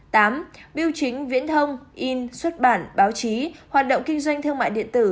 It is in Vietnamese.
tám biểu chính viễn thông in xuất bản báo chí hoạt động kinh doanh thương mại điện tử